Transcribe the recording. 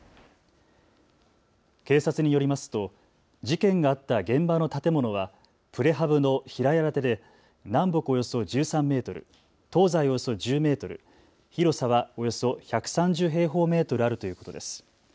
警察によりますと事件があった現場の建物はプレハブの平屋建てで南北およそ１３メートル、東西およそ１０メートル、広さはおよそ１３０平方メートルあるということです。